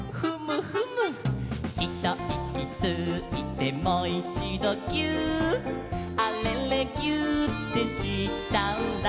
「ひといきついてもいちどぎゅーっ」「あれれぎゅーってしたら」